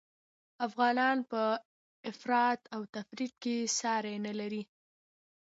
افغانان په افراط او تفریط کي ساری نلري